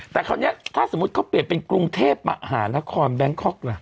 แต่คราวนี้ถ้าสมมุติเขาเปลี่ยนเป็นกรุงเทพมหานครแบงคอกล่ะ